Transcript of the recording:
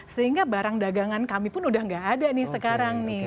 sehingga barang dagangan kami pun sudah tidak ada sekarang